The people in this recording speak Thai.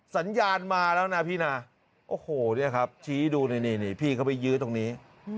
สัญญาณมาแล้วนะพี่นะโอ้โหเนี่ยครับชี้ดูนี่พี่เขาไปยื้อตรงนี้